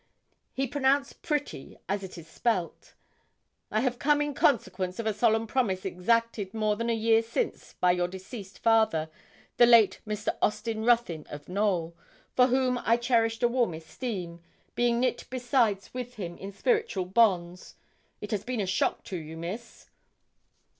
He pronounced 'pretty' as it is spelt. 'I have come in consequence of a solemn promise exacted more than a year since by your deceased father, the late Mr. Austin Ruthyn of Knowl, for whom I cherished a warm esteem, being knit besides with him in spiritual bonds. It has been a shock to you, Miss?'